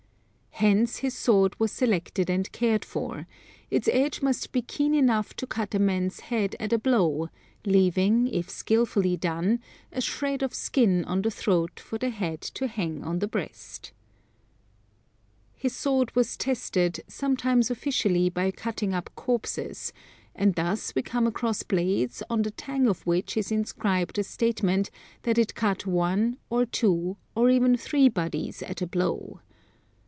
Hence his sword was selected and cared for, its edge must be keen enough to cut a man's head at a blow, leaving, if skilfully done, a shred of skin on the throat for the head to hang on the breast. [Illustration: TERMINOLOGY OF THE SWORD, FROM JOLY'S Sword Book.] His sword was tested, sometimes officially by cutting up corpses, and thus we come across blades on the tang of which is inscribed a statement that it cut one or two or even three bodies at a blow.